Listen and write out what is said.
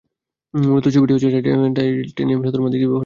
মূলত ছবিটি হচ্ছে টাইটেনিয়াম ধাতুর মাঝে ফাটল কিভাবে ছড়িয়ে পড়ে।